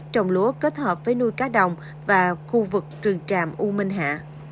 trồng lúa kết hợp với nuôi cá đồng và khu vực trường tràm u minh hạ